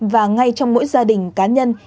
và ngay trong mỗi gia đình cá nhân